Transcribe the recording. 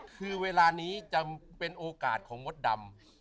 คือเวลานี้จะเป็นโอกาสของมดดำ